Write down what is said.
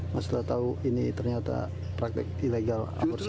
masalah tahu ini ternyata praktek ilegal aborsi